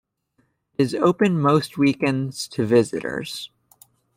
It is open most weekends to visitors.